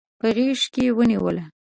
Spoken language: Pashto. په غیږ کې ونیوله